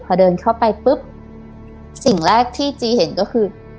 พอเดินเข้าไปปุ๊บสิ่งแรกที่จีเห็นก็คือ